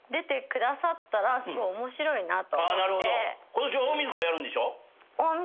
今年大晦日やるんでしょ？